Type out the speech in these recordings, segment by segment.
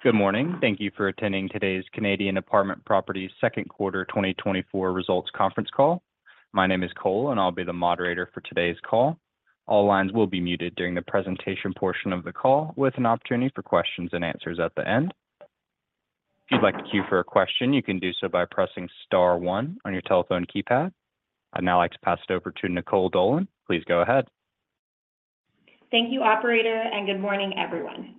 Good morning. Thank you for attending today's Canadian Apartment Properties Second Quarter 2024 Results Conference call. My name is Cole, and I'll be the moderator for today's call. All lines will be muted during the presentation portion of the call, with an opportunity for questions and answers at the end. If you'd like to queue for a question, you can do so by pressing star one on your telephone keypad. I'd now like to pass it over to Nicole Dolan. Please go ahead. Thank you, operator, and good morning, everyone.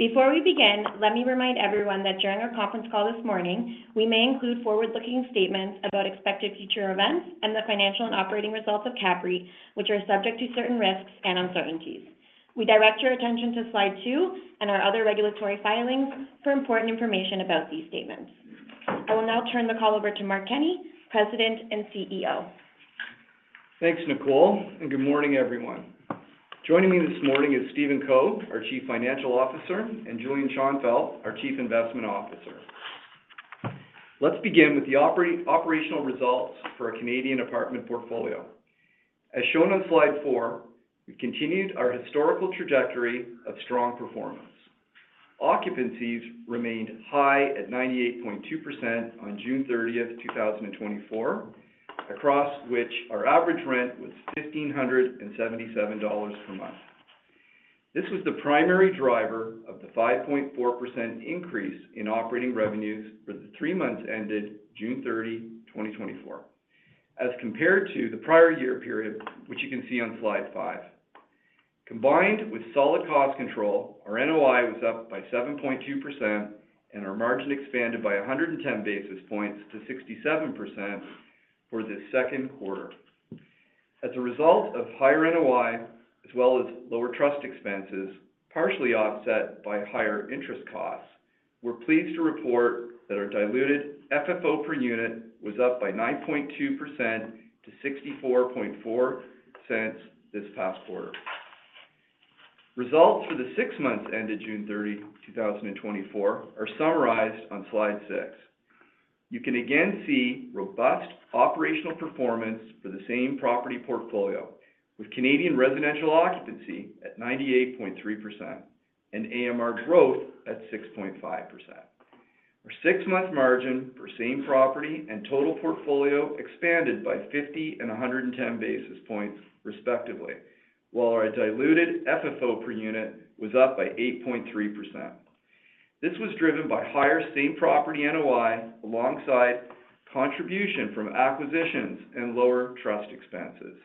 Before we begin, let me remind everyone that during our conference call this morning, we may include forward-looking statements about expected future events and the financial and operating results of CAPREIT, which are subject to certain risks and uncertainties. We direct your attention to slide two and our other regulatory filings for important information about these statements. I will now turn the call over to Mark Kenney, President and CEO. Thanks, Nicole, and good morning, everyone. Joining me this morning is Stephen Co, our Chief Financial Officer, and Julian Schonfeldt, our Chief Investment Officer. Let's begin with the operational results for our Canadian apartment portfolio. As shown on slide 4, we continued our historical trajectory of strong performance. Occupancies remained high at 98.2%, on June 30, 2024, across which our average rent was 1,577 dollars per month. This was the primary driver of the 5.4%, increase in operating revenues for the three months ended June 30, 2024, as compared to the prior year period, which you can see on slide 5. Combined with solid cost control, our NOI was up by 7.2%, and our margin expanded by 110 basis points to 67%, for this second quarter. As a result of higher NOI, as well as lower trust expenses, partially offset by higher interest costs, we're pleased to report that our diluted FFO per unit was up by 9.2%, to 0.644 this past quarter. Results for the six months ended June 30, 2024, are summarized on slide 6. You can again see robust operational performance for the same property portfolio, with Canadian residential occupancy at 98.3%, and AMR growth at 6.5%. Our six-month margin for same property and total portfolio expanded by 50 and 110 basis points, respectively, while our diluted FFO per unit was up by 8.3%. This was driven by higher same property NOI, alongside contribution from acquisitions and lower trust expenses,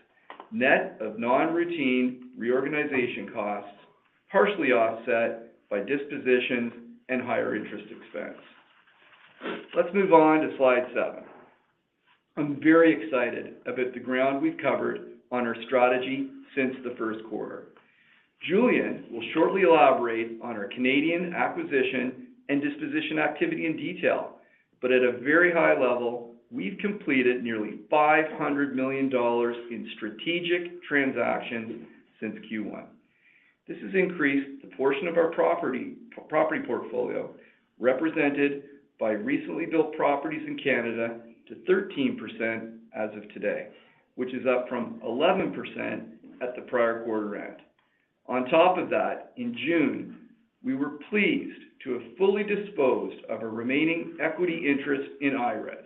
net of non-routine reorganization costs, partially offset by dispositions and higher interest expense. Let's move on to slide 7. I'm very excited about the ground we've covered on our strategy since the first quarter. Julian will shortly elaborate on our Canadian acquisition and disposition activity in detail, but at a very high level, we've completed nearly 500 million dollars in strategic transactions since Q1. This has increased the portion of our property portfolio represented by recently built properties in Canada to 13%, as of today, which is up from 11%, at the prior quarter end. On top of that, in June, we were pleased to have fully disposed of our remaining equity interest in IRES,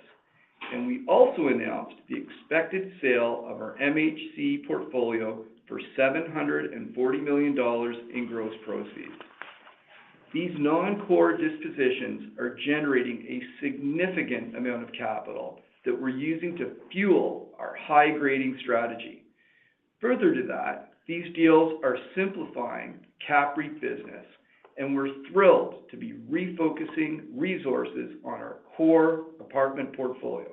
and we also announced the expected sale of our MHC portfolio for 740 million dollars in gross proceeds. These non-core dispositions are generating a significant amount of capital that we're using to fuel our high-grading strategy. Further to that, these deals are simplifying CAPREIT business, and we're thrilled to be refocusing resources on our core apartment portfolio,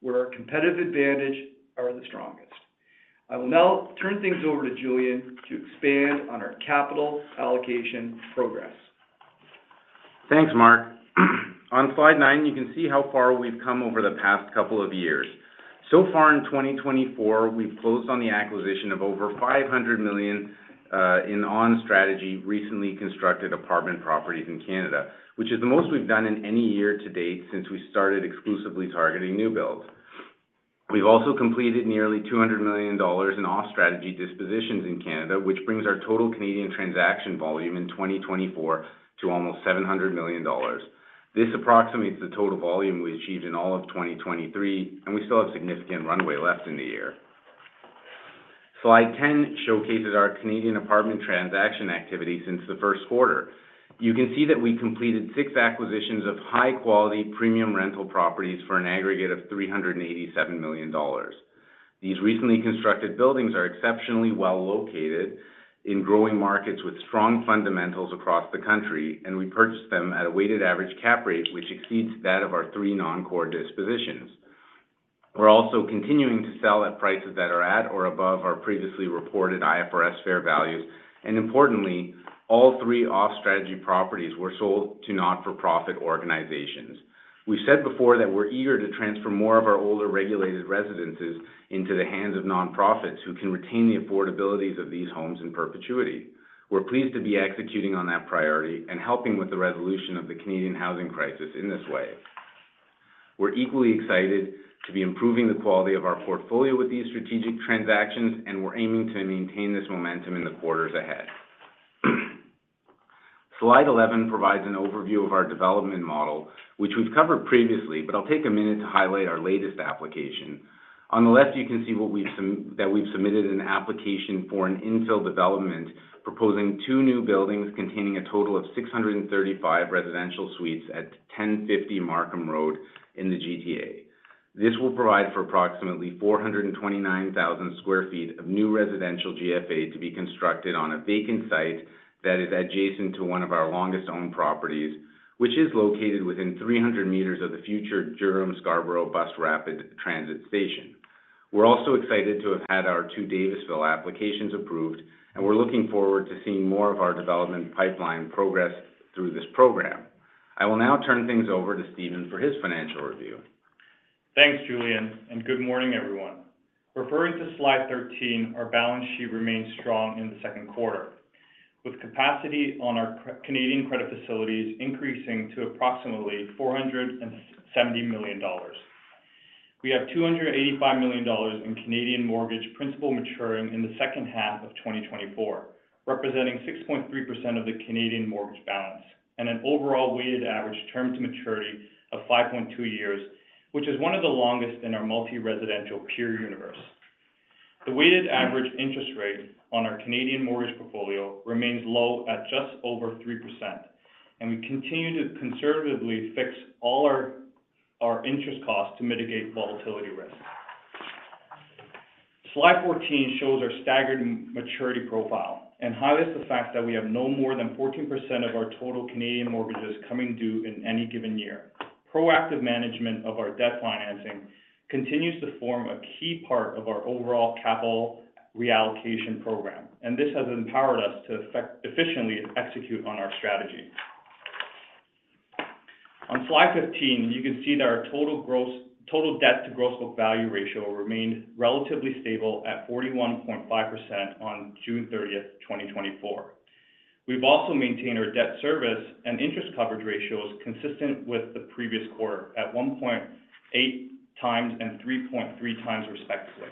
where our competitive advantage are the strongest. I will now turn things over to Julian to expand on our capital allocation progress. Thanks, Mark. On slide 9, you can see how far we've come over the past couple of years. So far in 2024, we've closed on the acquisition of over 500 million in on-strategy, recently constructed apartment properties in Canada, which is the most we've done in any year to date since we started exclusively targeting new builds. We've also completed nearly 200 million dollars in off-strategy dispositions in Canada, which brings our total Canadian transaction volume in 2024 to almost 700 million dollars. This approximates the total volume we achieved in all of 2023, and we still have significant runway left in the year. Slide 10 showcases our Canadian apartment transaction activity since the first quarter. You can see that we completed 6 acquisitions of high-quality, premium rental properties for an aggregate of 387 million dollars. These recently constructed buildings are exceptionally well located in growing markets with strong fundamentals across the country, and we purchased them at a weighted average cap rate, which exceeds that of our three non-core dispositions. We're also continuing to sell at prices that are at or above our previously reported IFRS fair values, and importantly, all three off-strategy properties were sold to not-for-profit organizations. We said before that we're eager to transfer more of our older regulated residences into the hands of nonprofits, who can retain the affordabilities of these homes in perpetuity. We're pleased to be executing on that priority and helping with the resolution of the Canadian housing crisis in this way... We're equally excited to be improving the quality of our portfolio with these strategic transactions, and we're aiming to maintain this momentum in the quarters ahead. Slide 11 provides an overview of our development model, which we've covered previously, but I'll take a minute to highlight our latest application. On the left, you can see that we've submitted an application for an infill development, proposing two new buildings containing a total of 635 residential suites at 1050 Markham Road in the GTA. This will provide for approximately 429,000 sq ft of new residential GFA to be constructed on a vacant site that is adjacent to one of our longest-owned properties, which is located within 300 meters of the future Durham-Scarborough Bus Rapid Transit station. We're also excited to have had our two Davisville applications approved, and we're looking forward to seeing more of our development pipeline progress through this program. I will now turn things over to Stephen for his financial review. Thanks, Julian, and good morning, everyone. Referring to slide 13, our balance sheet remains strong in the second quarter, with capacity on our Canadian credit facilities increasing to approximately 470 million dollars. We have 285 million dollars in Canadian mortgage principal maturing in the second half of 2024, representing 6.3%, of the Canadian mortgage balance, and an overall weighted average term to maturity of 5.2 years, which is one of the longest in our multi-residential peer universe. The weighted average interest rate on our Canadian mortgage portfolio remains low at just over 3%, and we continue to conservatively fix all our interest costs to mitigate volatility risk. Slide 14 shows our staggered maturity profile and highlights the fact that we have no more than 14%, of our total Canadian mortgages coming due in any given year. Proactive management of our debt financing continues to form a key part of our overall capital reallocation program, and this has empowered us to efficiently execute on our strategy. On Slide 15, you can see that our total debt to gross book value ratio remained relatively stable at 41.5%, on June 30, 2024. We've also maintained our debt service and interest coverage ratios consistent with the previous quarter at 1.8 times and 3.3 times, respectively.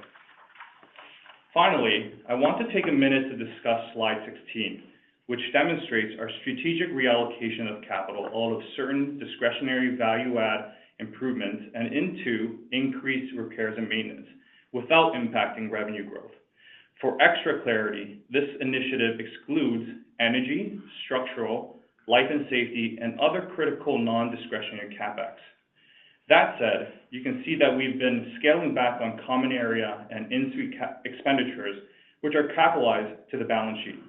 Finally, I want to take a minute to discuss Slide 16, which demonstrates our strategic reallocation of capital out of certain discretionary value-add improvements and into increased repairs and maintenance without impacting revenue growth. For extra clarity, this initiative excludes energy, structural, life and safety, and other critical non-discretionary CapEx. That said, you can see that we've been scaling back on common area and in-suite capital expenditures, which are capitalized to the balance sheet.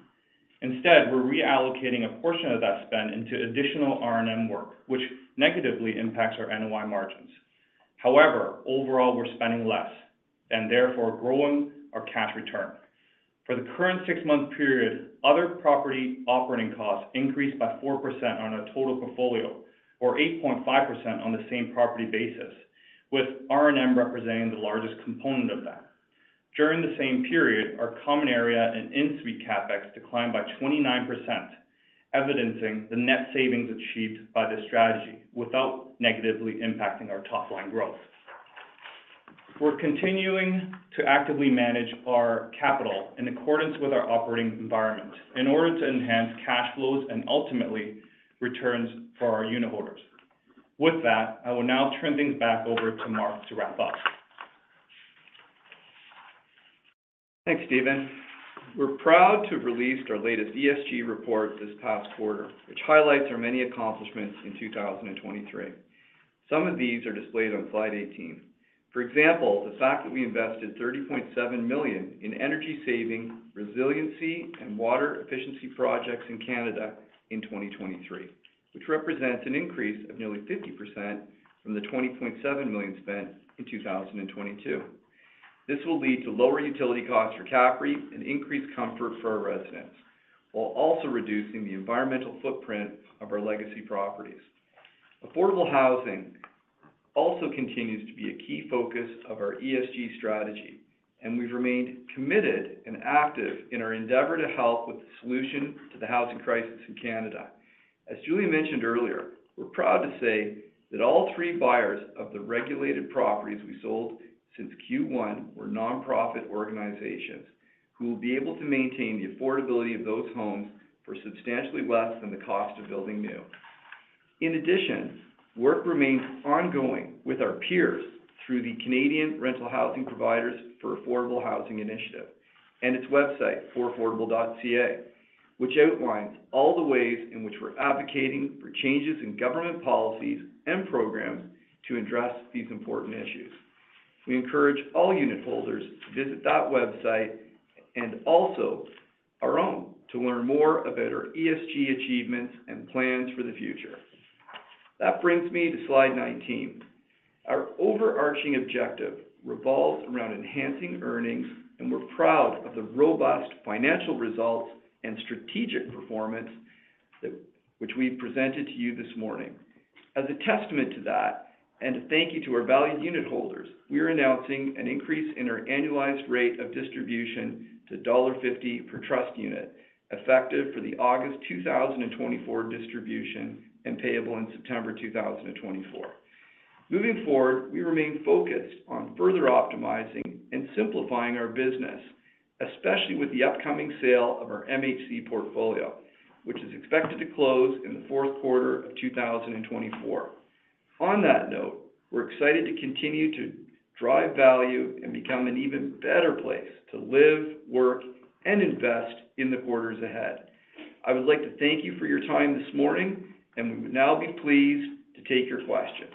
Instead, we're reallocating a portion of that spend into additional R&M work, which negatively impacts our NOI margins. However, overall, we're spending less and therefore growing our cash return. For the current six-month period, other property operating costs increased by 4%, on our total portfolio, or 8.5%, on the same property basis, with R&M representing the largest component of that. During the same period, our common area and in-suite CapEx declined by 29%, evidencing the net savings achieved by this strategy without negatively impacting our top-line growth. We're continuing to actively manage our capital in accordance with our operating environment in order to enhance cash flows and ultimately returns for our unitholders. With that, I will now turn things back over to Mark to wrap up. Thanks, Stephen. We're proud to have released our latest ESG report this past quarter, which highlights our many accomplishments in 2023. Some of these are displayed on slide 18. For example, the fact that we invested 30.7 million in energy saving, resiliency, and water efficiency projects in Canada in 2023, which represents an increase of nearly 50%, from the 20.7 million spent in 2022. This will lead to lower utility costs for CAPREIT and increased comfort for our residents, while also reducing the environmental footprint of our legacy properties. Affordable housing also continues to be a key focus of our ESG strategy, and we've remained committed and active in our endeavor to help with the solution to the housing crisis in Canada. As Julian mentioned earlier, we're proud to say that all three buyers of the regulated properties we sold since Q1 were nonprofit organizations, who will be able to maintain the affordability of those homes for substantially less than the cost of building new. In addition, work remains ongoing with our peers through the Canadian Rental Housing Providers for Affordable Housing Initiative and its website, foraffordable.ca, which outlines all the ways in which we're advocating for changes in government policies and programs to address these important issues. We encourage all unitholders to visit that website and also our own to learn more about our ESG achievements and plans for the future. That brings me to slide 19. Our overarching objective revolves around enhancing earnings, and we're proud of the robust financial results and strategic performance that which we've presented to you this morning. As a testament to that, and to thank you to our valued unitholders, we are announcing an increase in our annualized rate of distribution to dollar 1.50 per trust unit, effective for the August 2024 distribution and payable in September 2024. Moving forward, we remain focused on further optimizing and simplifying our business, especially with the upcoming sale of our MHC portfolio, which is expected to close in the fourth quarter of 2024. On that note, we're excited to continue to drive value and become an even better place to live, work, and invest in the quarters ahead. I would like to thank you for your time this morning, and we would now be pleased to take your questions.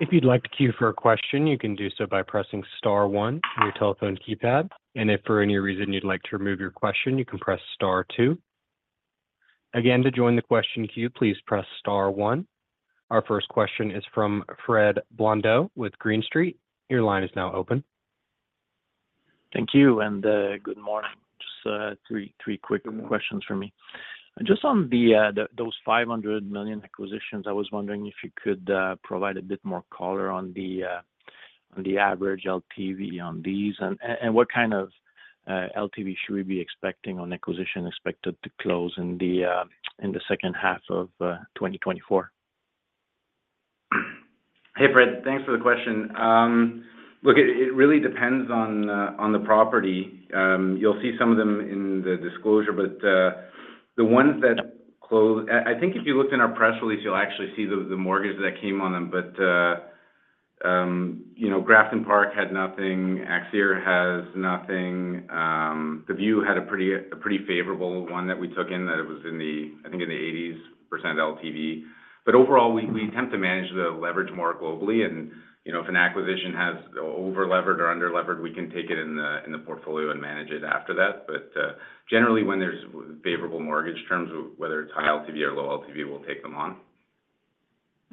If you'd like to queue for a question, you can do so by pressing star one on your telephone keypad. And if for any reason you'd like to remove your question, you can press star two. Again, to join the question queue, please press star one. Our first question is from Fred Blondeau with Green Street. Your line is now open. Thank you, and good morning. Just three quick questions for me. Just on those 500 million acquisitions, I was wondering if you could provide a bit more color on the average LTV on these, and what kind of LTV should we be expecting on acquisition expected to close in the second half of 2024? Hey, Fred, thanks for the question. Look, it really depends on the property. You'll see some of them in the disclosure, but the ones that close... I think if you looked in our press release, you'll actually see the mortgage that came on them. But, you know, Grafton Park had nothing, Axir has nothing. The View had a pretty favorable one that we took in, that it was in the, I think, in the 80% LTV. But overall, we attempt to manage the leverage more globally and, you know, if an acquisition has over-levered or under-levered, we can take it in the portfolio and manage it after that. But generally, when there's favorable mortgage terms, whether it's high LTV or low LTV, we'll take them on.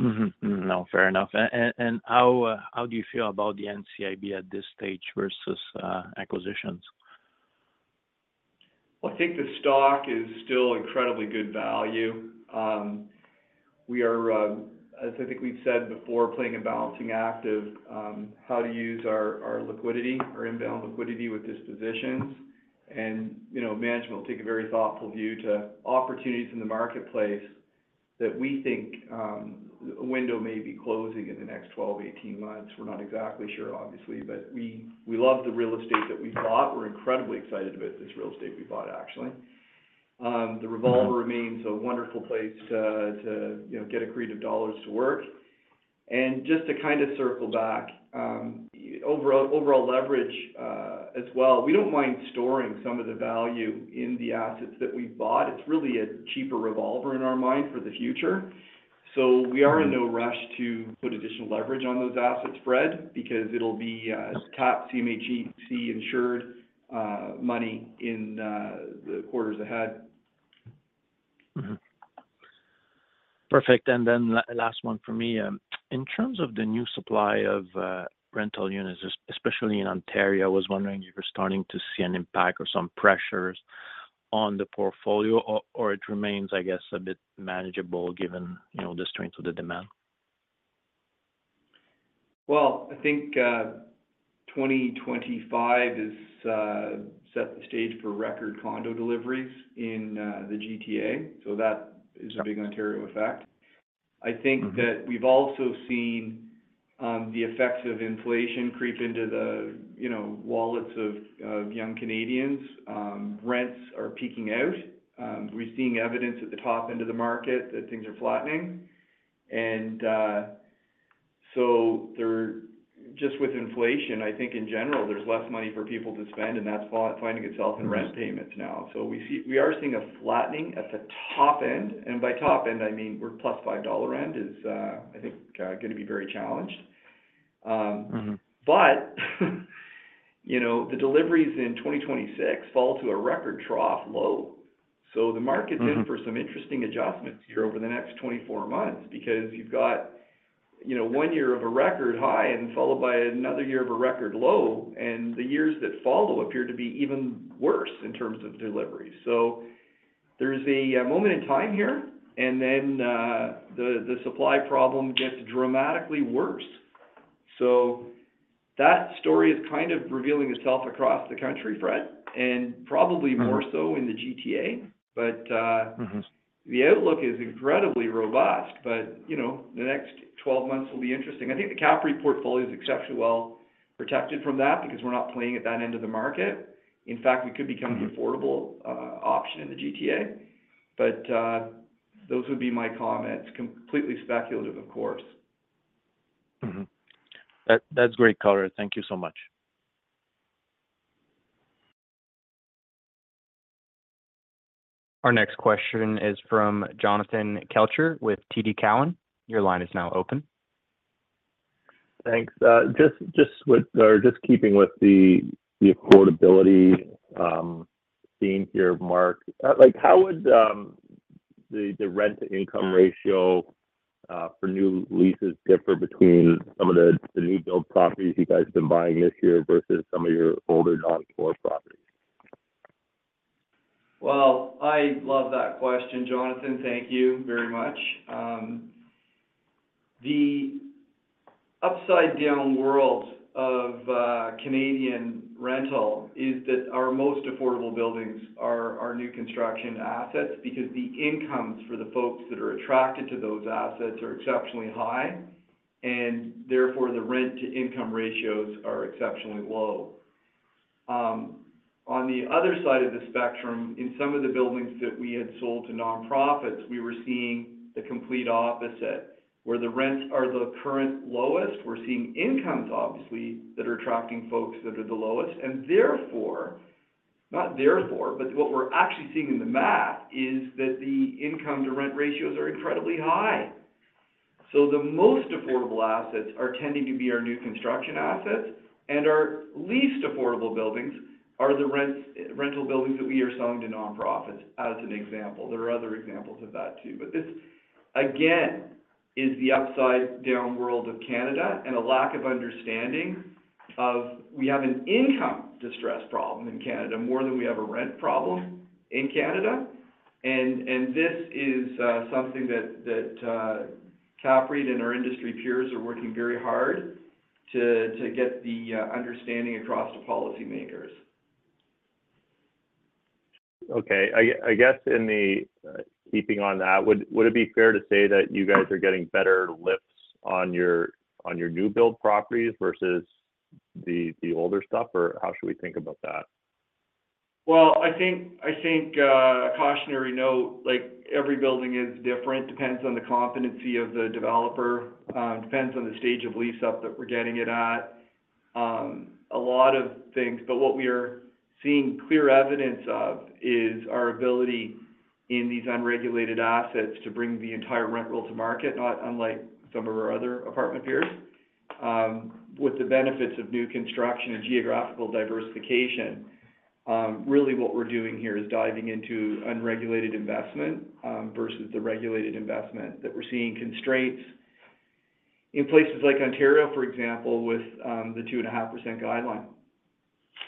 Mm-hmm. No, fair enough. And how do you feel about the NCIB at this stage versus acquisitions? Well, I think the stock is still incredibly good value. We are, as I think we've said before, playing a balancing act of, how to use our, our liquidity, our inbound liquidity with dispositions. And, you know, management will take a very thoughtful view to opportunities in the marketplace that we think, a window may be closing in the next 12-18 months. We're not exactly sure, obviously, but we, we love the real estate that we bought. We're incredibly excited about this real estate we bought, actually. The revolver remains a wonderful place to, to, you know, get accretive dollars to work. And just to kind of circle back, overall, overall leverage, as well, we don't mind storing some of the value in the assets that we've bought. It's really a cheaper revolver in our mind for the future. We are in no rush to put additional leverage on those assets, Fred, because it'll be top CMHC insured money in the quarters ahead. Mm-hmm. Perfect. And then last one for me. In terms of the new supply of rental units, especially in Ontario, I was wondering if you're starting to see an impact or some pressures on the portfolio, or it remains, I guess, a bit manageable given, you know, the strength of the demand. Well, I think 2025 is set the stage for record condo deliveries in the GTA, so that is a big Ontario effect. Mm-hmm. I think that we've also seen the effects of inflation creep into the, you know, wallets of young Canadians. Rents are peaking out. We're seeing evidence at the top end of the market that things are flattening. And so they're just with inflation, I think in general, there's less money for people to spend, and that's finding itself in rent payments now. So we are seeing a flattening at the top end, and by top end, I mean, where +5 dollars rent is, I think, going to be very challenged. Mm-hmm. But, you know, the deliveries in 2026 fall to a record trough low. So the market- Mm-hmm... is in for some interesting adjustments here over the next 24 months because you've got, you know, one year of a record high and followed by another year of a record low, and the years that follow appear to be even worse in terms of deliveries. So there's a moment in time here, and then the supply problem gets dramatically worse. So that story is kind of revealing itself across the country, Fred, and probably more- Mm-hmm... so in the GTA. But, Mm-hmm ... the outlook is incredibly robust, but, you know, the next 12 months will be interesting. I think the CAPREIT portfolio is exceptionally well protected from that because we're not playing at that end of the market. In fact, we could become- Mm-hmm... the affordable option in the GTA, but those would be my comments. Completely speculative, of course. Mm-hmm. That, that's great color. Thank you so much. Our next question is from Jonathan Kelcher with TD Cowen. Your line is now open. Thanks. Just keeping with the affordability theme here, Mark, like, how would the rent-to-income ratio for new leases differ between some of the new build properties you guys have been buying this year versus some of your older noncore properties? Well, I love that question, Jonathan. Thank you very much. The upside down world of Canadian rental is that our most affordable buildings are new construction assets, because the incomes for the folks that are attracted to those assets are exceptionally high, and therefore, the rent-to-income ratios are exceptionally low. On the other side of the spectrum, in some of the buildings that we had sold to nonprofits, we were seeing the complete opposite, where the rents are the current lowest. We're seeing incomes, obviously, that are attracting folks that are the lowest, and therefore - not therefore, but what we're actually seeing in the math, is that the income-to-rent ratios are incredibly high. So the most affordable assets are tending to be our new construction assets, and our least affordable buildings are the rents, rental buildings that we are selling to nonprofits, as an example. There are other examples of that, too, but this, again, is the upside-down world of Canada and a lack of understanding of we have an income distress problem in Canada more than we have a rent problem in Canada. And this is something that CAPREIT and our industry peers are working very hard to get the understanding across to policymakers. Okay. I guess in the keeping on that, would it be fair to say that you guys are getting better lifts on your new build properties versus the older stuff? Or how should we think about that? Well, I think a cautionary note, like every building is different, depends on the competency of the developer, depends on the stage of lease-up that we're getting it at, a lot of things. But what we are seeing clear evidence of is our ability in these unregulated assets to bring the entire rental to market, not unlike some of our other apartment peers. With the benefits of new construction and geographical diversification, really what we're doing here is diving into unregulated investment, versus the regulated investment, that we're seeing constraints in places like Ontario, for example, with the 2.5% guideline.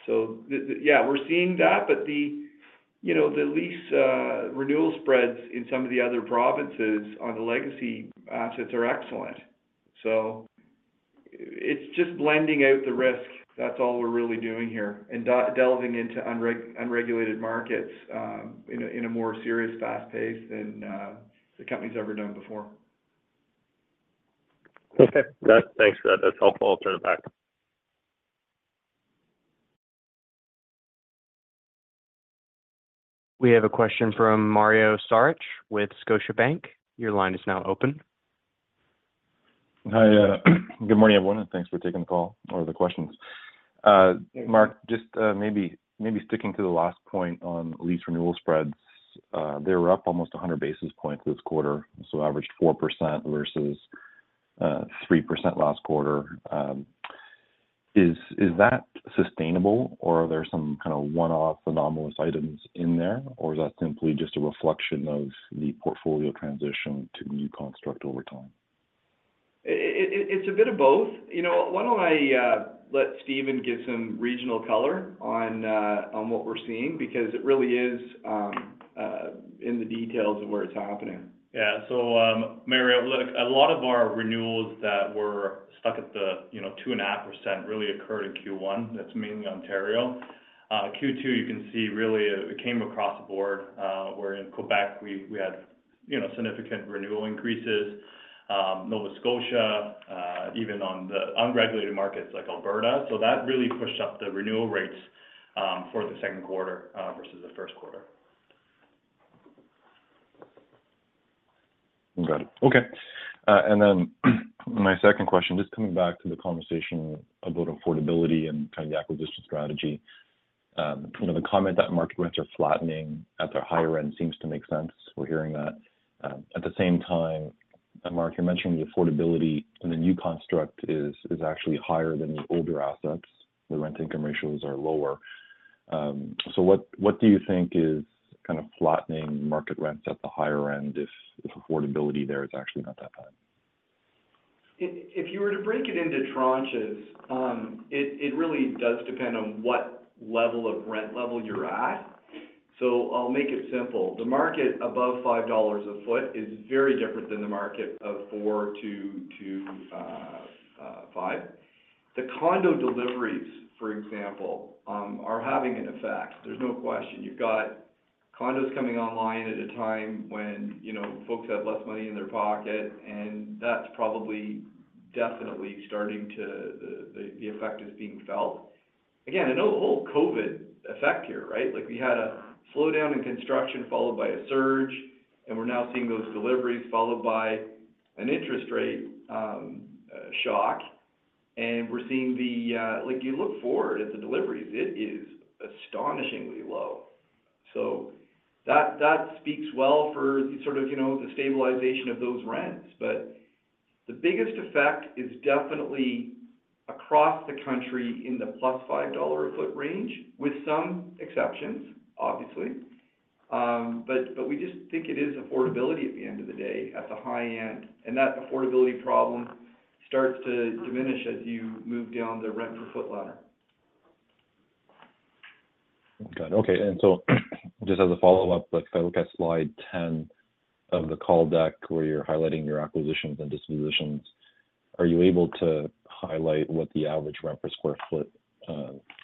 So yeah, we're seeing that, but you know, the lease renewal spreads in some of the other provinces on the legacy assets are excellent. So it's just blending out the risk. That's all we're really doing here, and delving into unregulated markets, in a more serious fast pace than the company's ever done before. Okay. Thanks for that. That's helpful. I'll turn it back. We have a question from Mario Saric with Scotiabank. Your line is now open. Hi, good morning, everyone, and thanks for taking the call or the questions. Mark, just maybe sticking to the last point on lease renewal spreads, they were up almost 100 basis points this quarter, so averaged 4%, versus three percent last quarter. Is that sustainable, or are there some kind of one-off anomalous items in there, or is that simply just a reflection of the portfolio transition to new construct over time? It's a bit of both. You know, why don't I let Stephen give some regional color on what we're seeing? Because it really is in the details of where it's happening. Yeah. So, Mario, look, a lot of our renewals that were stuck at the, you know, 2.5%, really occurred in Q1. That's mainly Ontario. Q2, you can see really, it came across the board, where in Quebec, we had, you know, significant renewal increases, Nova Scotia, even on the unregulated markets like Alberta. So that really pushed up the renewal rates, for the second quarter, versus the first quarter. Got it. Okay. And then, my second question, just coming back to the conversation about affordability and kind of the acquisition strategy. You know, the comment that market rents are flattening at the higher end seems to make sense. We're hearing that. At the same time, and Mark, you're mentioning the affordability in the new construct is actually higher than the older assets. The rent income ratios are lower. So what do you think is kind of flattening market rents at the higher end if affordability there is actually not that bad? If you were to break it into tranches, it really does depend on what level of rent level you're at. So I'll make it simple. The market above 5 dollars a foot is very different than the market of 4 to 5. The condo deliveries, for example, are having an effect. There's no question. You've got condos coming online at a time when, you know, folks have less money in their pocket, and that's probably definitely starting to... The effect is being felt. Again, an old COVID effect here, right? Like, we had a slowdown in construction, followed by a surge, and we're now seeing those deliveries, followed by an interest rate shock, and we're seeing the... Like, you look forward at the deliveries, it is astonishingly low. So that speaks well for sort of, you know, the stabilization of those rents. But the biggest effect is definitely across the country in the +5 dollars a foot range, with some exceptions, obviously. But we just think it is affordability at the end of the day, at the high end, and that affordability problem starts to diminish as you move down the rent per foot ladder.... Got it. Okay, and so just as a follow-up, like, if I look at slide 10 of the call deck, where you're highlighting your acquisitions and dispositions, are you able to highlight what the average rent per square foot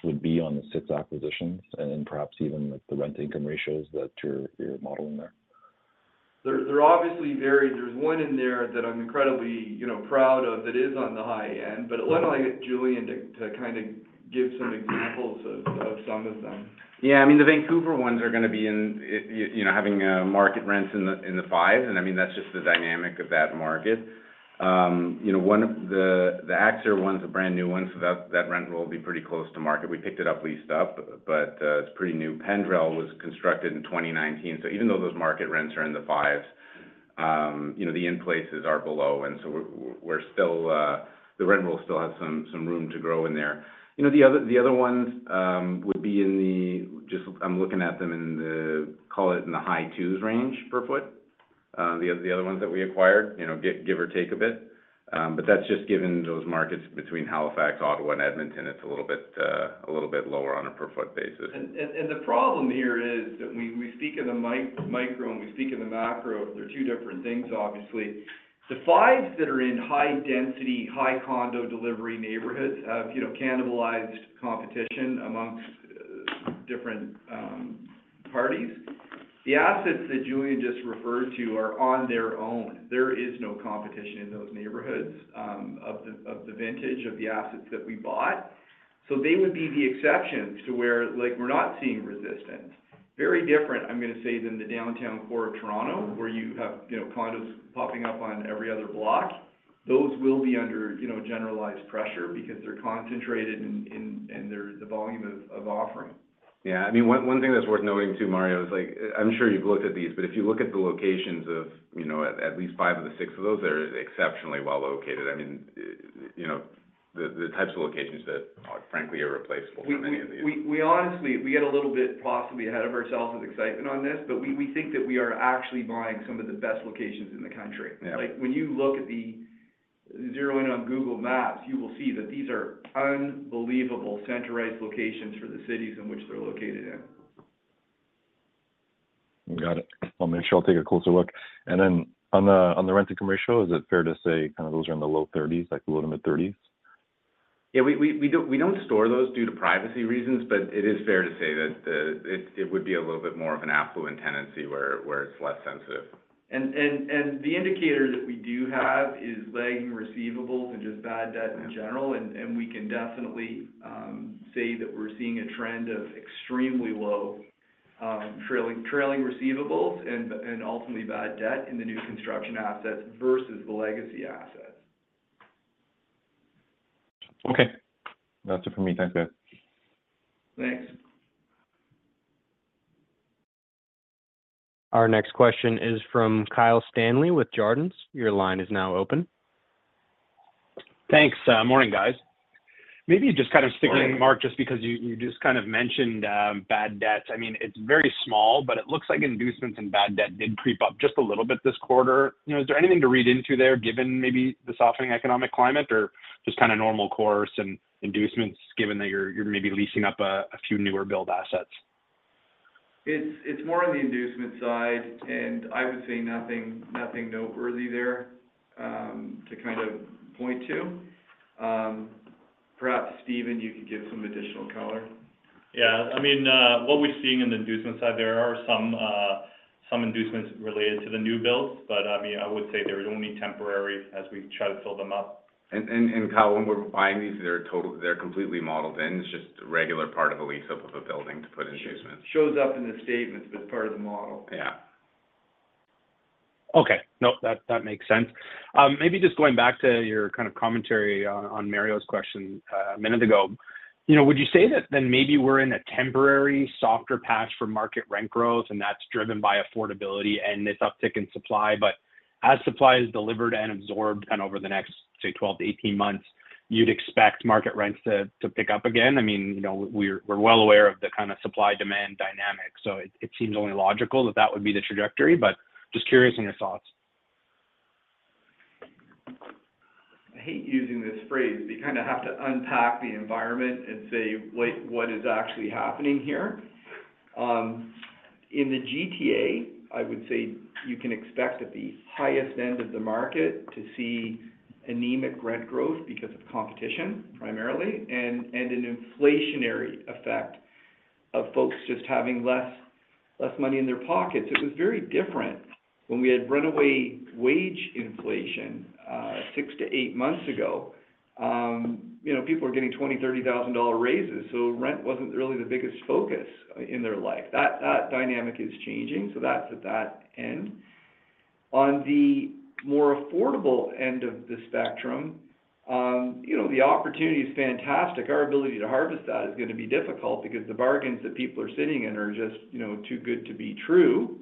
would be on the six acquisitions and then perhaps even, like, the rent income ratios that you're, you're modeling there? There are obviously varied. There's one in there that I'm incredibly, you know, proud of, that is on the high end. But why don't I get Julian to kind of give some examples of some of them? Yeah, I mean, the Vancouver ones are gonna be in, you know, having, market rents in the, in the fives, and I mean, that's just the dynamic of that market. You know, one of the, the Axir one's a brand-new one, so that, that rent will be pretty close to market. We picked it up, leased up, but, it's pretty new. Pendrell was constructed in 2019, so even though those market rents are in the fives, you know, the in-places are below, and so we're, we're still, The rent roll still has some, some room to grow in there. You know, the other, the other ones, would be in the-- just I'm looking at them in the, call it in the high twos range per foot. The other ones that we acquired, you know, give or take a bit. But that's just given those markets between Halifax, Ottawa, and Edmonton, it's a little bit lower on a per foot basis. And the problem here is that we speak in the micro, and we speak in the macro. They're two different things, obviously. The fives that are in high density, high condo delivery neighborhoods, have, you know, cannibalized competition amongst different parties. The assets that Julian just referred to are on their own. There is no competition in those neighborhoods, of the, of the vintage, of the assets that we bought. So they would be the exception to where, like, we're not seeing resistance. Very different, I'm gonna say, than the downtown core of Toronto, where you have, you know, condos popping up on every other block. Those will be under, you know, generalized pressure because they're concentrated in and there's the volume of offering. Yeah, I mean, one thing that's worth noting too, Mario, is like, I'm sure you've looked at these, but if you look at the locations of, you know, at least five of the six of those, they're exceptionally well located. I mean, you know, the types of locations that, frankly, are irreplaceable from any of the- We honestly, we get a little bit possibly ahead of ourselves with excitement on this, but we think that we are actually buying some of the best locations in the country. Yeah. Like, when you look at the - zero in on Google Maps, you will see that these are unbelievable centralized locations for the cities in which they're located in. Got it. I'll make sure I'll take a closer look. And then on the rent to commercial, is it fair to say, kind of, those are in the low 30s, like the low-to-mid 30s? Yeah, we don't store those due to privacy reasons, but it is fair to say that it would be a little bit more of an affluent tenancy where it's less sensitive. The indicator that we do have is lagging receivables and just bad debt in general, and we can definitely say that we're seeing a trend of extremely low trailing receivables and ultimately bad debt in the new construction assets versus the legacy assets. Okay. That's it for me. Thanks, guys. Thanks. Our next question is from Kyle Stanley with Desjardins. Your line is now open. Thanks. Morning, guys. Maybe just kind of sticking- Morning... Mark, just because you, you just kind of mentioned bad debts. I mean, it's very small, but it looks like inducements and bad debt did creep up just a little bit this quarter. You know, is there anything to read into there, given maybe the softening economic climate or just kind of normal course and inducements, given that you're, you're maybe leasing up a few newer build assets? It's, it's more on the inducement side, and I would say nothing, nothing noteworthy there, to kind of point to. Perhaps, Stephen, you could give some additional color. Yeah. I mean, what we're seeing in the inducement side, there are some, some inducements related to the new builds, but, I mean, I would say they're only temporary as we try to fill them up. And, Kyle, when we're buying these, they're totally—they're completely modeled in. It's just a regular part of a lease-up of a building to put inducements. Shows up in the statements as part of the model. Yeah. Okay. Nope, that, that makes sense. Maybe just going back to your kind of commentary on, on Mario's question a minute ago, you know, would you say that then maybe we're in a temporary softer patch for market rent growth, and that's driven by affordability and this uptick in supply, but as supply is delivered and absorbed and over the next, say, 12 to 18 months, you'd expect market rents to, to pick up again? I mean, you know, we're, we're well aware of the kind of supply-demand dynamic, so it, it seems only logical that that would be the trajectory, but just curious on your thoughts. I hate using this phrase, but you kind of have to unpack the environment and say, "Wait, what is actually happening here?" In the GTA, I would say you can expect at the highest end of the market to see anemic rent growth because of competition, primarily, and an inflationary effect of folks just having less, less money in their pockets. It was very different when we had runaway wage inflation 6 to 8 months ago. You know, people were getting 20,000 dollar, 30,000-dollar raises, so rent wasn't really the biggest focus in their life. That dynamic is changing, so that's at that end. On the more affordable end of the spectrum, you know, the opportunity is fantastic. Our ability to harvest that is gonna be difficult because the bargains that people are sitting in are just, you know, too good to be true.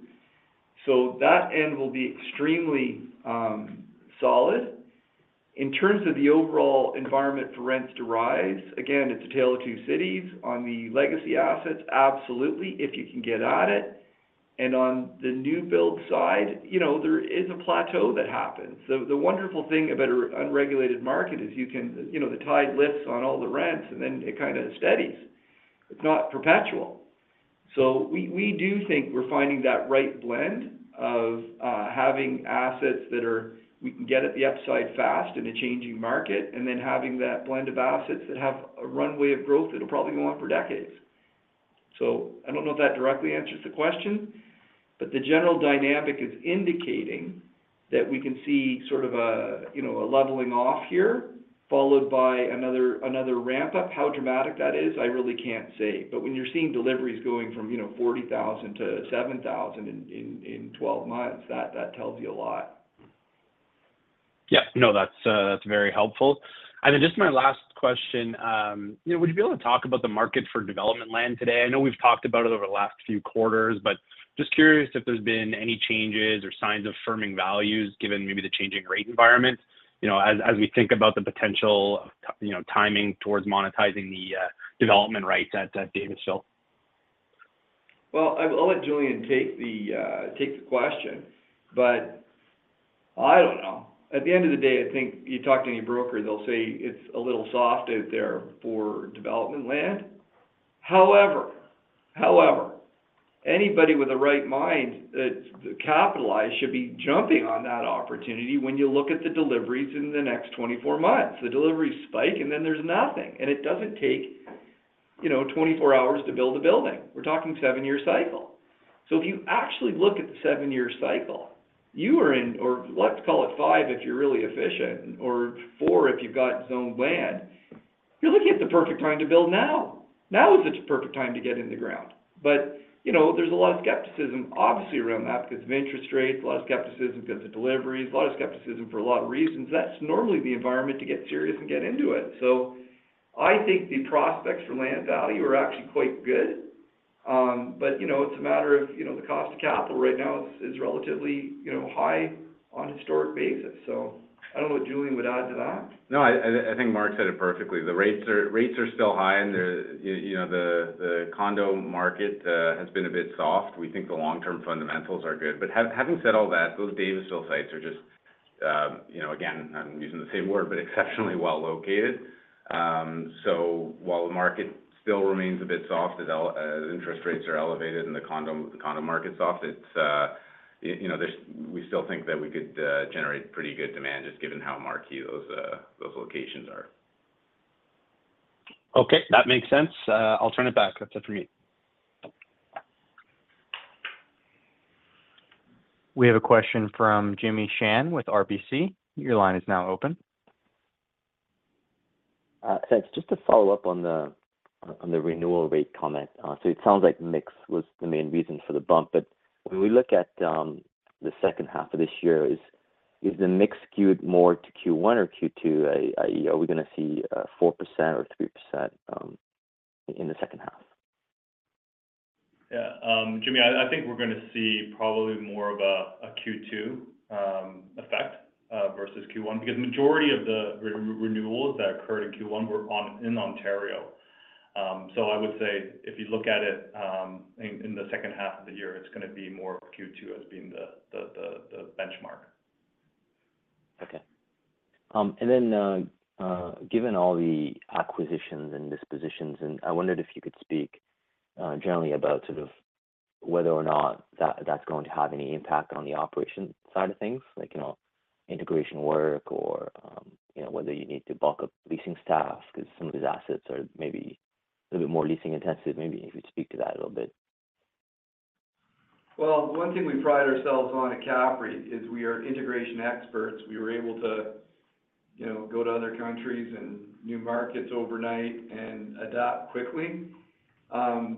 So that end will be extremely solid. In terms of the overall environment for rents to rise, again, it's a tale of two cities. On the legacy assets, absolutely, if you can get at it, and on the new build side, you know, there is a plateau that happens. So the wonderful thing about a unregulated market is you can, you know, the tide lifts on all the rents, and then it kind of steadies. It's not perpetual. So we do think we're finding that right blend of having assets that are we can get at the upside fast in a changing market, and then having that blend of assets that have a runway of growth that'll probably go on for decades. So I don't know if that directly answers the question, but the general dynamic is indicating that we can see sort of a, you know, a leveling off here, followed by another ramp-up. How dramatic that is, I really can't say. But when you're seeing deliveries going from, you know, 40,000 to 7,000 in 12 months, that tells you a lot. Yeah. No, that's, that's very helpful. And then just my last question, you know, would you be able to talk about the market for development land today? I know we've talked about it over the last few quarters, but just curious if there's been any changes or signs of firming values, given maybe the changing rate environment, you know, as we think about the potential of, you know, timing towards monetizing the development rights at Davisville? Well, I'll let Julian take the question, but I don't know. At the end of the day, I think you talk to any broker, they'll say it's a little soft out there for development land. However, anybody with a right mind that's capitalized should be jumping on that opportunity when you look at the deliveries in the next 24 months. The deliveries spike, and then there's nothing. And it doesn't take, you know, 24 hours to build a building. We're talking 7-year cycle. So if you actually look at the 7-year cycle, you are in... Or let's call it 5, if you're really efficient, or 4, if you've got zoned land, you're looking at the perfect time to build now. Now is the perfect time to get in the ground. But, you know, there's a lot of skepticism, obviously, around that because of interest rates, a lot of skepticism because of deliveries, a lot of skepticism for a lot of reasons. That's normally the environment to get serious and get into it. So I think the prospects for land value are actually quite good. But, you know, it's a matter of, you know, the cost of capital right now is relatively, you know, high on a historic basis. So I don't know what Julian would add to that. No, I think Mark said it perfectly. The rates are still high, and the, you know, the condo market has been a bit soft. We think the long-term fundamentals are good. But having said all that, those Davisville sites are just, you know, again, I'm using the same word, but exceptionally well located. So while the market still remains a bit soft, as interest rates are elevated and the condo market's soft, it's, you know, we still think that we could generate pretty good demand, just given how marquee those locations are. Okay, that makes sense. I'll turn it back. That's it for me. We have a question from Jimmy Shan with RBC. Your line is now open. Thanks. Just to follow up on the renewal rate comment. So it sounds like mix was the main reason for the bump, but when we look at the second half of this year, is the mix skewed more to Q1 or Q2? I.e., are we gonna see 4% or 3%, in the second half? Yeah, Jimmy, I think we're gonna see probably more of a Q2 effect versus Q1, because majority of the renewals that occurred in Q1 were in Ontario. So I would say if you look at it in the second half of the year, it's gonna be more of Q2 as being the benchmark. Okay. And then, given all the acquisitions and dispositions, and I wondered if you could speak, generally about sort of whether or not that - that's going to have any impact on the operation side of things, like, you know, integration work or, you know, whether you need to bulk up leasing staff, because some of these assets are maybe a little bit more leasing-intensive. Maybe if you'd speak to that a little bit. Well, one thing we pride ourselves on at CAPREIT is we are integration experts. We were able to, you know, go to other countries and new markets overnight and adapt quickly.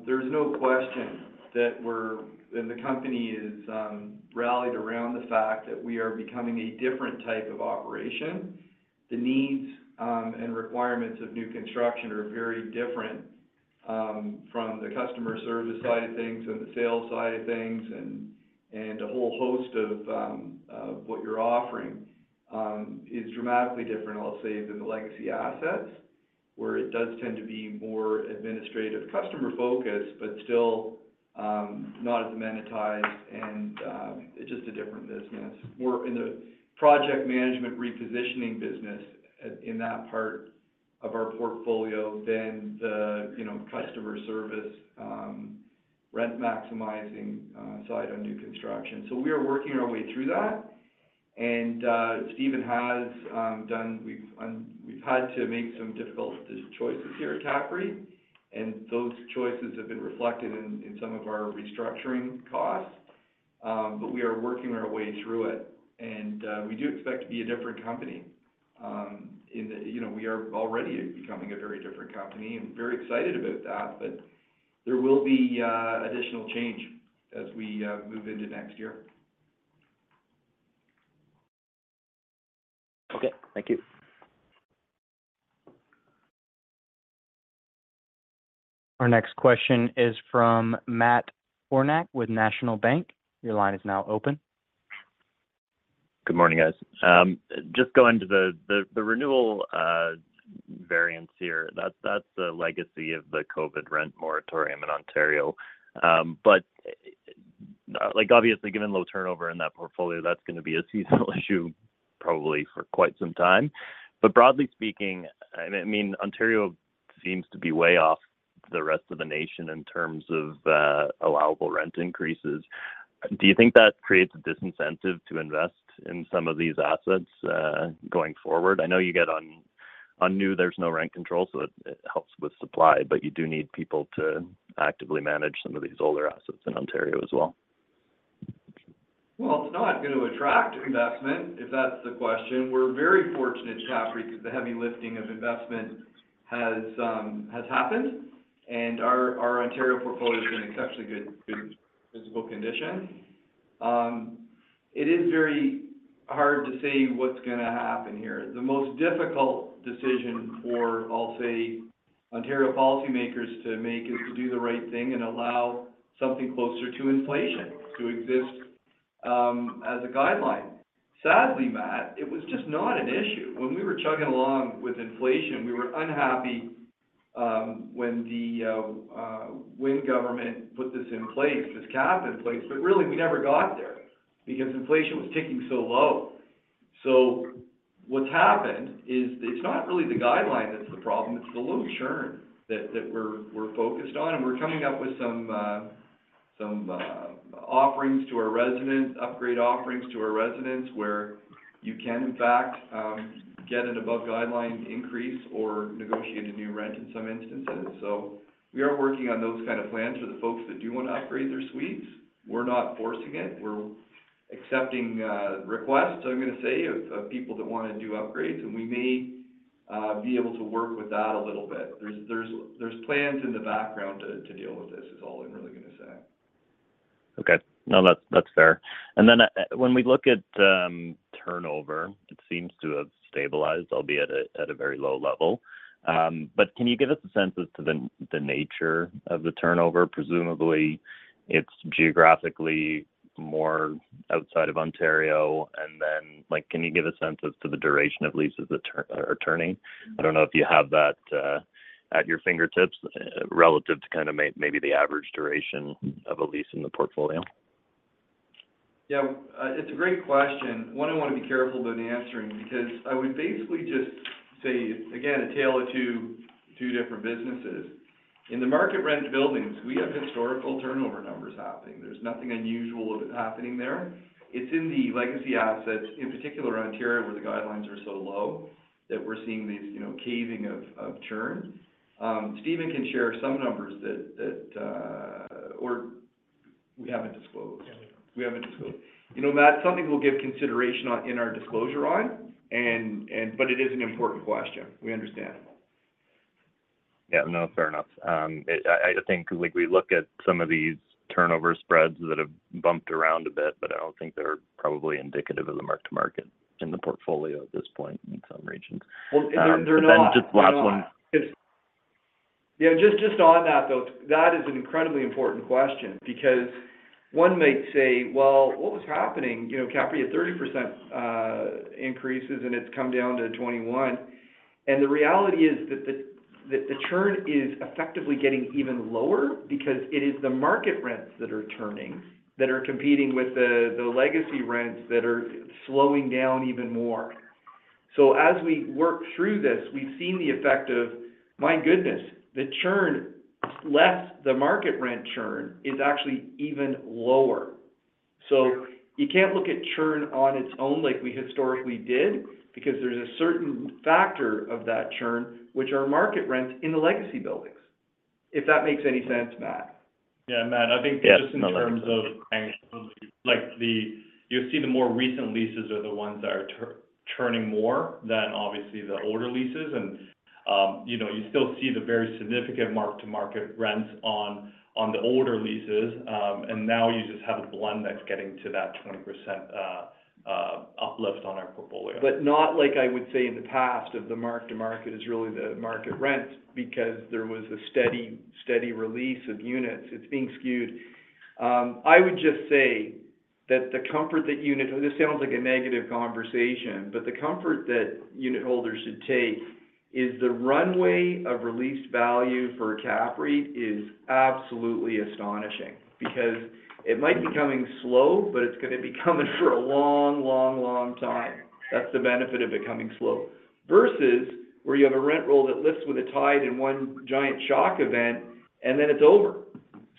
There's no question that we're and the company is rallied around the fact that we are becoming a different type of operation. The needs and requirements of new construction are very different from the customer service side of things and the sales side of things. And a whole host of what you're offering is dramatically different, I'll say, than the legacy assets, where it does tend to be more administrative, customer-focused, but still not as monetized and just a different business. We're in the project management repositioning business in that part of our portfolio than the, you know, customer service rent-maximizing side on new construction. We are working our way through that. Stephen has. We've had to make some difficult choices here at CAPREIT, and those choices have been reflected in some of our restructuring costs. But we are working our way through it, and we do expect to be a different company. You know, we are already becoming a very different company and very excited about that, but there will be additional change as we move into next year. Okay. Thank you. Our next question is from Matt Kornack with National Bank Financial. Your line is now open. ... Good morning, guys. Just going to the renewal variance here, that's the legacy of the COVID rent moratorium in Ontario. But, like, obviously, given low turnover in that portfolio, that's going to be a seasonal issue, probably for quite some time. But broadly speaking, I mean, Ontario seems to be way off the rest of the nation in terms of allowable rent increases. Do you think that creates a disincentive to invest in some of these assets, going forward? I know you get on new, there's no rent control, so it helps with supply, but you do need people to actively manage some of these older assets in Ontario as well. Well, it's not going to attract investment, if that's the question. We're very fortunate at CAPREIT because the heavy lifting of investment has happened, and our Ontario portfolio is in exceptionally good physical condition. It is very hard to say what's going to happen here. The most difficult decision for, I'll say, Ontario policymakers to make, is to do the right thing and allow something closer to inflation to exist as a guideline. Sadly, Matt, it was just not an issue. When we were chugging along with inflation, we were unhappy when the government put this in place, this cap in place, but really, we never got there because inflation was ticking so low. So what's happened is, it's not really the guideline that's the problem, it's the low churn that we're focused on, and we're coming up with some offerings to our residents, upgrade offerings to our residents, where you can, in fact, get an above-guideline increase or negotiate a new rent in some instances. So we are working on those kind of plans for the folks that do want to upgrade their suites. We're not forcing it. We're accepting requests, I'm going to say, of people that want to do upgrades, and we may be able to work with that a little bit. There's plans in the background to deal with this, is all I'm really going to say. Okay. No, that's fair. And then when we look at turnover, it seems to have stabilized, albeit at a very low level. But can you give us a sense as to the nature of the turnover? Presumably, it's geographically more outside of Ontario, and then, like, can you give a sense as to the duration of leases that are turning? I don't know if you have that at your fingertips, relative to kind of maybe the average duration of a lease in the portfolio. Yeah, it's a great question. One I want to be careful in answering because I would basically just say, again, a tale of two, two different businesses. In the market rent buildings, we have historical turnover numbers happening. There's nothing unusual happening there. It's in the legacy assets, in particular, Ontario, where the guidelines are so low, that we're seeing these, you know, caving of, of churn. Stephen can share some numbers or we haven't disclosed. Yeah, we don't. We haven't disclosed. You know, Matt, something we'll give consideration on, in our disclosure on, and, but it is an important question. We understand. Yeah. No, fair enough. I think, like, we look at some of these turnover spreads that have bumped around a bit, but I don't think they're probably indicative of the mark to market in the portfolio at this point in some regions. Well, they're not. But then, just last one- They're not. Yeah, just, just on that, though, that is an incredibly important question because one might say, "Well, what was happening? You know, CAPREIT, 30% increases, and it's come down to 21%." And the reality is that the churn is effectively getting even lower because it is the market rents that are turning, that are competing with the legacy rents that are slowing down even more. So as we work through this, we've seen the effect of, my goodness, the churn less, the market rent churn is actually even lower. So you can't look at churn on its own like we historically did, because there's a certain factor of that churn, which are market rent in the legacy buildings. If that makes any sense, Matt? Yeah, Matt, I think- Yeah. Just in terms of, like, the... You'll see the more recent leases are the ones that are turning more than obviously the older leases, and, you know, you still see the very significant mark-to-market rents on, on the older leases. And now you just have a blend that's getting to that 20%, uplift on our portfolio. But not like I would say in the past, of the mark to market is really the market rent, because there was a steady, steady release of units. It's being skewed. I would just say that the comfort that unit-- This sounds like a negative conversation, but the comfort that unitholders should take is the runway of released value for CAPREIT is absolutely astonishing. Because it might be coming slow, but it's going to be coming for a long, long, long time. That's the benefit of it coming slow. Versus where you have a rent roll that lifts with a tide in one giant shock event, and then it's over.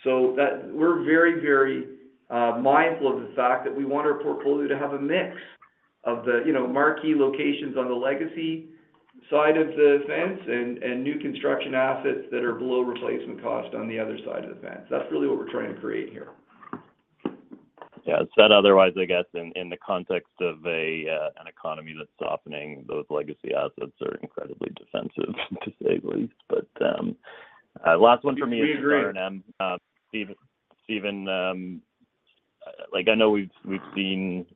We're very, very, mindful of the fact that we want our portfolio to have a mix of the, you know, marquee locations on the legacy side of the fence, and, and new construction assets that are below replacement cost on the other side of the fence. That's really what we're trying to create here. Yeah. Said otherwise, I guess, in the context of an economy that's softening, those legacy assets are incredibly defensive, to say the least. But, last one for me- We agree... Stephen, Stephen, like, I know we've, we've seen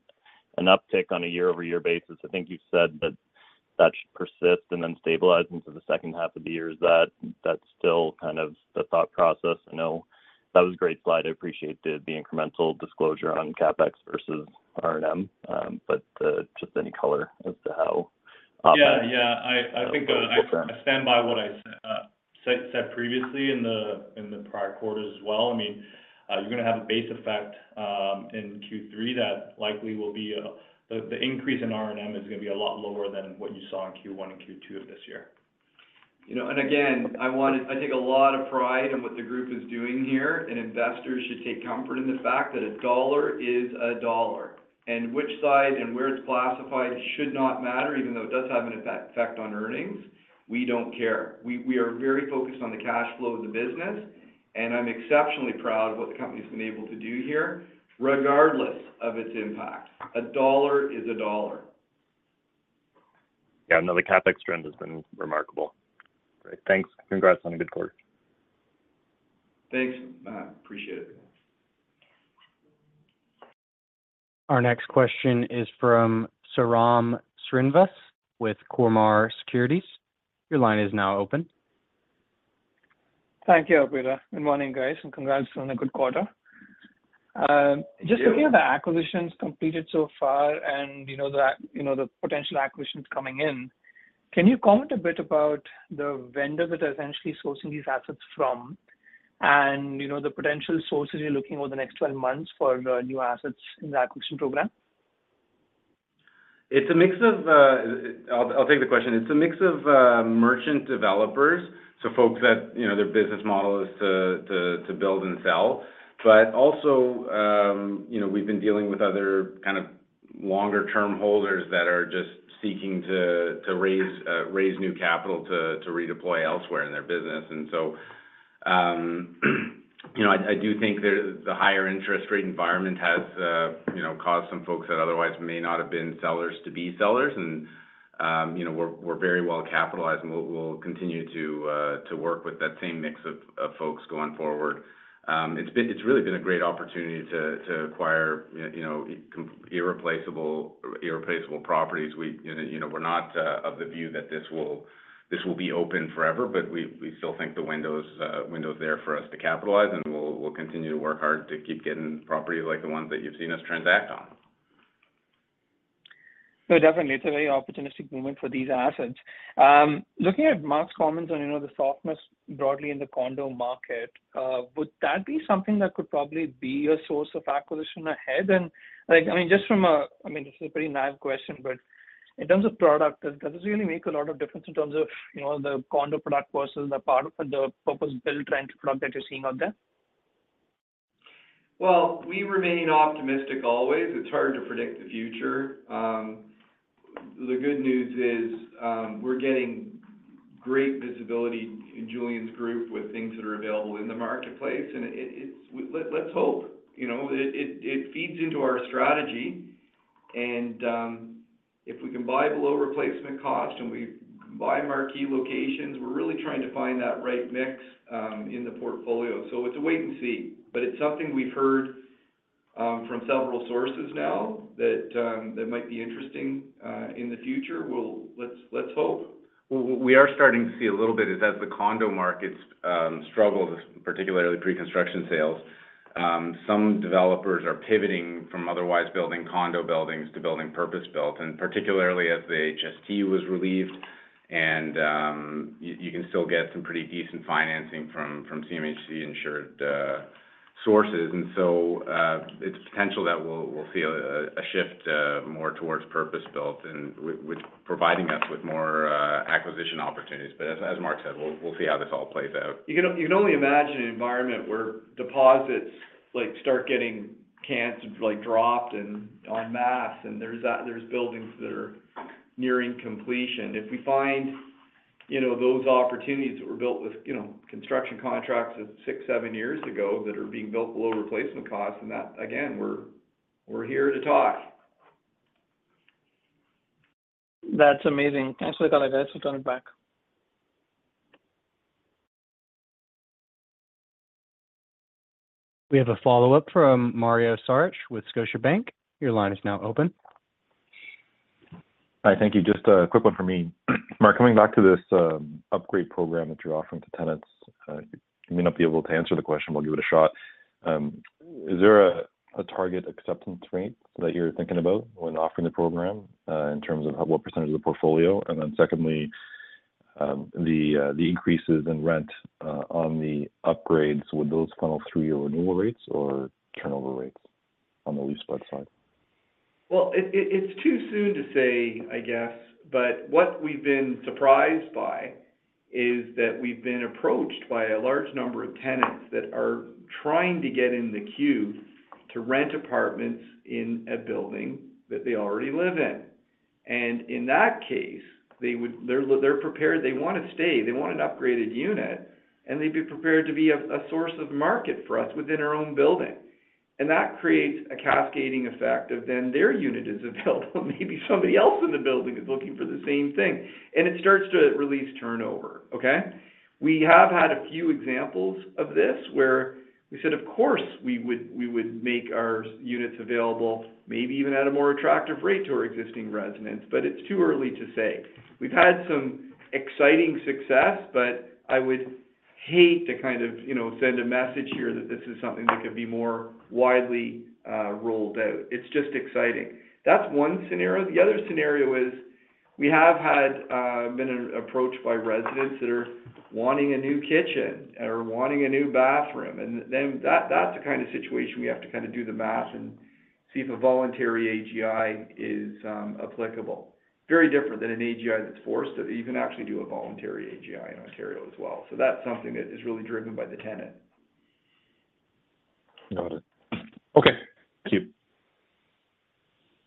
an uptick on a year-over-year basis. I think you've said that- ... that should persist and then stabilize into the second half of the year. Is that, that's still kind of the thought process? I know that was a great slide. I appreciate the, the incremental disclosure on CapEx versus R&M, but just any color as to how? Yeah. Yeah. I think I stand by what I said previously in the prior quarters as well. I mean, you're gonna have a base effect in Q3 that likely will be the increase in R&M is gonna be a lot lower than what you saw in Q1 and Q2 of this year. You know, and again, I take a lot of pride in what the group is doing here, and investors should take comfort in the fact that a dollar is a dollar. And which side and where it's classified should not matter, even though it does have an effect on earnings. We don't care. We are very focused on the cash flow of the business, and I'm exceptionally proud of what the company's been able to do here, regardless of its impact. A dollar is a dollar. Yeah, no, the CapEx trend has been remarkable. Great. Thanks. Congrats on a good quarter. Thanks. I appreciate it. Our next question is from Sairam Srinivas with Cormark Securities. Your line is now open. Thank you, operator. Good morning, guys, and congrats on a good quarter. Just looking at the acquisitions completed so far and, you know, the potential acquisitions coming in, can you comment a bit about the vendors that are essentially sourcing these assets from, and, you know, the potential sources you're looking over the next 12 months for new assets in the acquisition program? It's a mix of... I'll take the question. It's a mix of merchant developers, so folks that, you know, their business model is to build and sell. But also, you know, we've been dealing with other kind of longer-term holders that are just seeking to raise new capital to redeploy elsewhere in their business. And so, you know, I do think there—the higher interest rate environment has, you know, caused some folks that otherwise may not have been sellers to be sellers and, you know, we're very well capitalized, and we'll continue to work with that same mix of folks going forward. It's really been a great opportunity to acquire, you know, irreplaceable properties. We, you know, we're not of the view that this will, this will be open forever, but we, we still think the window's, window's there for us to capitalize, and we'll, we'll continue to work hard to keep getting properties like the ones that you've seen us transact on. So definitely, it's a very opportunistic moment for these assets. Looking at Mark's comments on, you know, the softness broadly in the condo market, would that be something that could probably be a source of acquisition ahead? And, like, I mean, just from a-- I mean, this is a pretty naive question, but in terms of product, does this really make a lot of difference in terms of, you know, the condo product versus the part, the purpose-built rent product that you're seeing out there? Well, we remain optimistic always. It's hard to predict the future. The good news is, we're getting great visibility in Julian's group with things that are available in the marketplace, and it's -- let's hope. You know, it feeds into our strategy and, if we can buy below replacement cost and we buy marquee locations, we're really trying to find that right mix, in the portfolio. So it's a wait and see, but it's something we've heard, from several sources now that, that might be interesting, in the future. We'll -- let's hope. We are starting to see a little bit as the condo markets struggle, particularly pre-construction sales. Some developers are pivoting from otherwise building condo buildings to building purpose-built, and particularly as the HST was relieved. And you can still get some pretty decent financing from CMHC-insured sources. And so, it's potential that we'll see a shift more towards purpose-built, and with providing us with more acquisition opportunities. But as Mark said, we'll see how this all plays out. You can, you can only imagine an environment where deposits like start getting canceled, like dropped and en masse, and there's buildings that are nearing completion. If we find, you know, those opportunities that were built with, you know, construction contracts of 6-7 years ago that are being built below replacement cost, and that, again, we're here to talk. That's amazing. Thanks a lot, guys. We'll come back. We have a follow-up from Mario Saric with Scotiabank. Your line is now open. Hi, thank you. Just a quick one from me. Mark, coming back to this, upgrade program that you're offering to tenants, you may not be able to answer the question, but I'll give it a shot. Is there a target acceptance rate that you're thinking about when offering the program, in terms of what percentage of the portfolio? And then secondly, the increases in rent, on the upgrades, would those funnel through your renewal rates or turnover rates on the leaseback side? Well, it's too soon to say, I guess, but what we've been surprised by is that we've been approached by a large number of tenants that are trying to get in the queue to rent apartments in a building that they already live in. And in that case, they would, they're prepared, they want to stay, they want an upgraded unit, and they'd be prepared to be a source of market for us within our own building. And that creates a cascading effect of then their unit is available. Maybe somebody else in the building is looking for the same thing, and it starts to release turnover. Okay? We have had a few examples of this where we said, "Of course, we would make our units available, maybe even at a more attractive rate to our existing residents," but it's too early to say. We've had some exciting success, but I hate to kind of, you know, send a message here that this is something that could be more widely rolled out. It's just exciting. That's one scenario. The other scenario is, we have had been approached by residents that are wanting a new kitchen or wanting a new bathroom, and then that, that's the kind of situation we have to kind of do the math and see if a voluntary AGI is applicable. Very different than an AGI that's forced, that you can actually do a voluntary AGI in Ontario as well. So that's something that is really driven by the tenant. Got it. Okay. Thank you.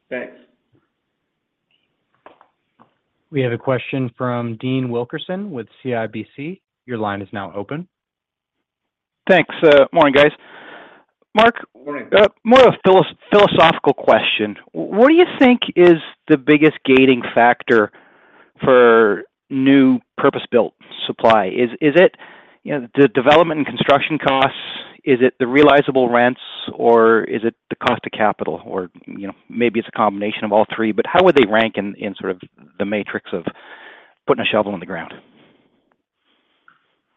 Thanks. We have a question from Dean Wilkinson with CIBC. Your line is now open. Thanks. Morning, guys. Mark- Morning. More of a philosophical question. What do you think is the biggest gating factor for new purpose-built supply? Is it, you know, the development and construction costs? Is it the realizable rents, or is it the cost of capital? Or, you know, maybe it's a combination of all three, but how would they rank in sort of the matrix of putting a shovel in the ground?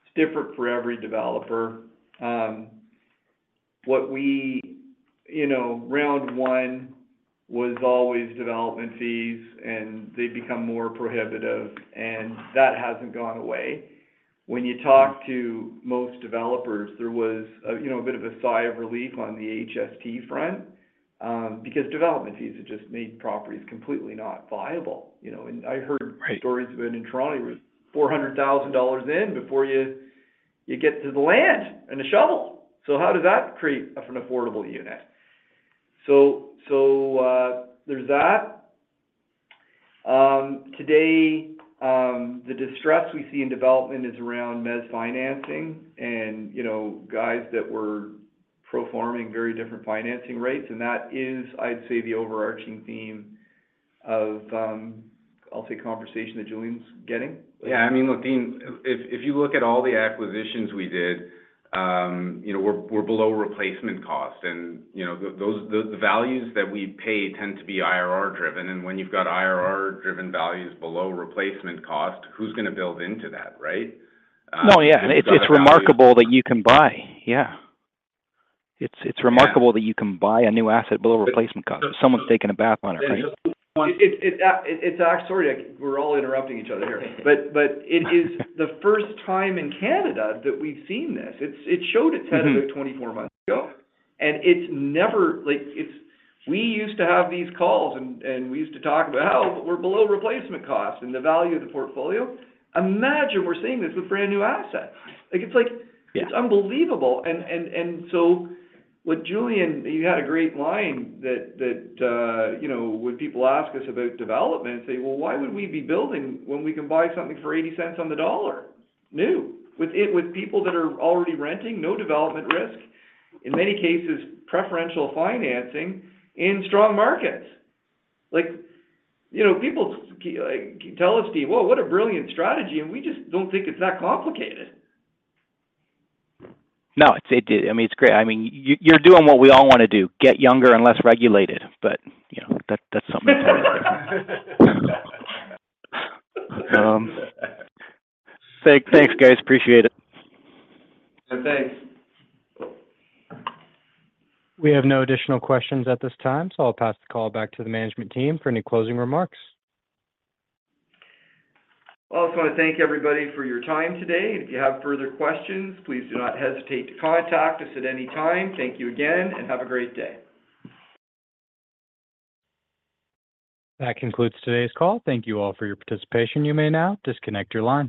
It's different for every developer. You know, round one was always development fees, and they become more prohibitive, and that hasn't gone away. When you talk to most developers, there was a, you know, a bit of a sigh of relief on the HST front, because development fees had just made properties completely not viable, you know. And I heard- Right... stories about in Toronto, it was 400,000 dollars in before you, you get to the land and the shovel. So how does that create an affordable unit? There's that. Today, the distress we see in development is around mezz financing and, you know, guys that were performing very different financing rates, and that is, I'd say, the overarching theme of, I'll say, conversation that Julian's getting. Yeah. I mean, look, Dean, if, if you look at all the acquisitions we did, you know, we're, we're below replacement cost. And, you know, the, those, the, the values that we pay tend to be IRR-driven, and when you've got IRR-driven values below replacement cost, who's going to build into that, right? No, yeah. And it's- It's remarkable that you can buy. Yeah. It's- Yeah... remarkable that you can buy a new asset below replacement cost. Someone's taking a bath on it, right? It's actually—sorry, we're all interrupting each other here. But it is the first time in Canada that we've seen this. It showed its head- Mm-hmm... about 24 months ago, and it's never, like, it's—we used to have these calls, and, and we used to talk about, "Oh, we're below replacement costs and the value of the portfolio." Imagine we're seeing this with brand-new assets. Like, it's like- Yeah... it's unbelievable. And so what Julian, you had a great line that, you know, when people ask us about development, say, "Well, why would we be building when we can buy something for 80 cents on the dollar, new?" With it, with people that are already renting, no development risk, in many cases, preferential financing in strong markets. Like, you know, people like, tell us, Dean, "Whoa, what a brilliant strategy," and we just don't think it's that complicated. No, it's, I mean, it's great. I mean, you're doing what we all want to do, get younger and less regulated. But, you know, that's something. Thanks, guys. Appreciate it. Yeah, thanks. We have no additional questions at this time, so I'll pass the call back to the management team for any closing remarks. I also want to thank everybody for your time today, and if you have further questions, please do not hesitate to contact us at any time. Thank you again, and have a great day. That concludes today's call. Thank you all for your participation. You may now disconnect your lines.